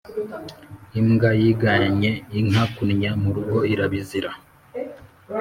Imbwa yiganye inka kunnya murugo irabizira